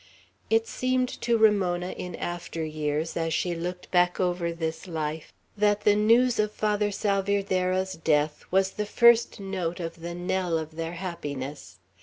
It seemed to Ramona in after years, as she looked back over this life, that the news of Father Salvierderra's death was the first note of the knell of their happiness.